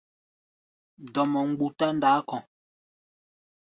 Dɔmɔ mgbutá ndaá kɔ̧.